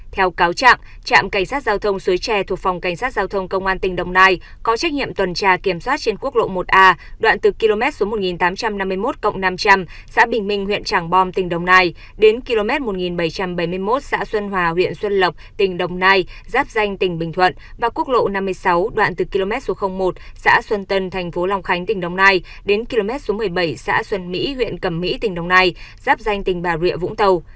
theo cáo trạm trạm cảnh sát giao thông suối tre thuộc phòng cảnh sát giao thông công an tỉnh đồng nai có trách nhiệm tuần trà kiểm soát trên quốc lộ một a đoạn từ km một nghìn tám trăm năm mươi một năm trăm linh xã bình minh huyện trảng bom tỉnh đồng nai đến km một nghìn bảy trăm bảy mươi một xã xuân hòa huyện xuân lộc tỉnh đồng nai giáp danh tỉnh bình thuận và quốc lộ năm mươi sáu đoạn từ km một xã xuân tân thành phố long khánh tỉnh đồng nai đến km một mươi bảy xã xuân mỹ huyện cầm mỹ tỉnh đồng nai giáp danh tỉnh bà rịa vũng tàu